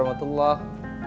assalamualaikum wr wb